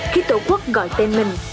khi tổ quốc gọi tên mình